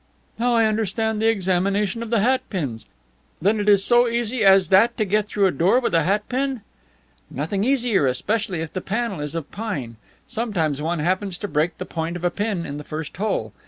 "Now I understand the examination of the hat pins. Then it is so easy as that to get through a door with a hat pin?" "Nothing easier, especially if the panel is of pine. Sometimes one happens to break the point of a pin in the first hole.